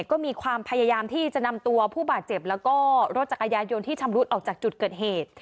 ก็มีความพยายามที่จะนำตัวผู้บาดเจ็บแล้วก็รถจักรยานยนต์ที่ชำรุดออกจากจุดเกิดเหตุ